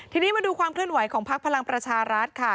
ทีนี้มาดูความเคลื่อนไหวของพักพลังประชารัฐค่ะ